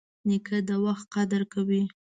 نیکه د وخت قدر کوي.